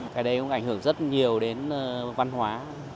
cái đấy cũng ảnh hưởng rất nhiều đến văn hóa